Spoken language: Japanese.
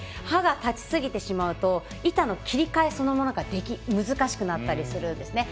刃が立ちすぎてしまうと板の切り替えそのものが難しくなったりするんです。